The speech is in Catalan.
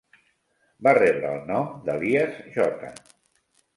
Va rebre el nom d'Elias J.